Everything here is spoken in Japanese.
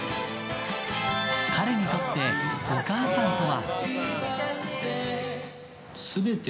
彼にとってお母さんとは？